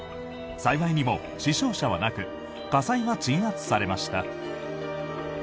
幸いにも死傷者はなく火災は鎮圧されました。